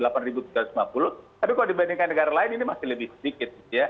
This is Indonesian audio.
tapi kalau dibandingkan negara lain ini masih lebih sedikit